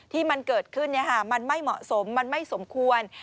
ที่มันเกิดขึ้นมันไม่เหมาะสมมันไม่สมควร